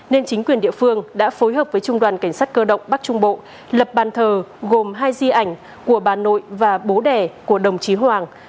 nên chính quyền địa phương đã phối hợp với trung đoàn cảnh sát cơ động bắc trung bộ lập bàn thờ gồm hai di ảnh của bà nội và bố đẻ của đồng chí hoàng